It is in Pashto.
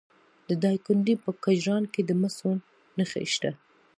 د دایکنډي په کجران کې د مسو نښې شته.